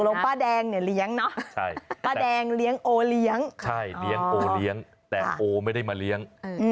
ป้าแดงเนี่ยเลี้ยงเนาะป้าแดงเลี้ยงโอเลี้ยงใช่เลี้ยงโอเลี้ยงแต่โอไม่ได้มาเลี้ยง